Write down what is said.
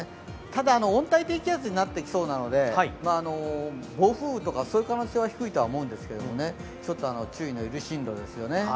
ただ温帯低気圧になってきそうなので、暴風雨とかそういう可能性は低いと思うんですがちょっと注意の要る進路ですよね。